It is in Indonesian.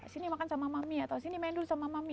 sini makan sama mami atau sini main dulu sama mami